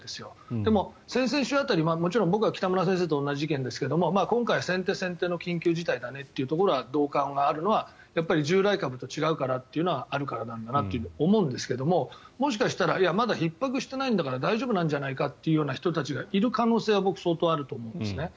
でも、先々週辺り僕は北村先生と同じ意見ですが今回、先手先手の緊急事態だねというところに同感だと思うのは従来株と違うからというのはあるからなんだなと思うんですがもしかしたらまだひっ迫していないんだから大丈夫なんじゃないかという人たちがいる可能性は僕、相当あると思いますね。